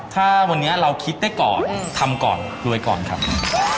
ถ้าวันนี้เราคิดได้ก่อนทำก่อนรวยก่อนครับ